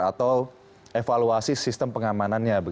atau evaluasi sistem pengamanannya